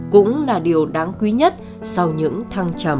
cũng là điều đáng quý nhất sau những thăng trầm